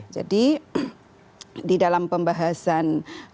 jadi di dalam pembahasan